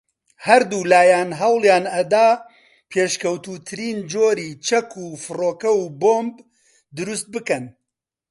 ھەردوولایان ھەوڵیان ئەدا پێشکەوتووترین جۆری چەک و فڕۆکەو بۆمب دروست بکەن